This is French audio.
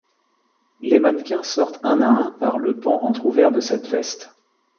Les mannequins sortent un à un par le pan entrouvert de cette veste.